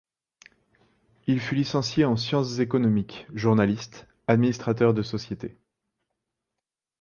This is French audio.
Il fut licencié en sciences économiques; journaliste; administrateur de sociétés.